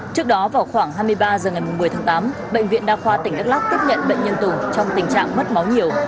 trước đó vào khoảng hai mươi ba h ngày một mươi tháng tám bệnh viện đa khoa tỉnh đắk lắk tiếp nhận bệnh nhân tùng trong tình trạng mất máu nhiều